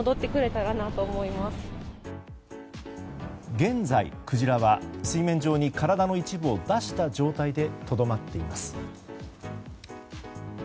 現在、クジラは水面上に体の一部を出した状態でとどまっています。